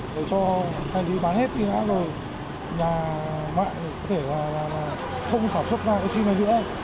để cho đại lý bán hết đi đã rồi nhà mạng có thể là không sản xuất ra cái sim này nữa